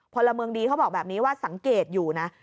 พลเมืองดีเขาบอกแบบนี้ว่าสังเกตอยู่นะ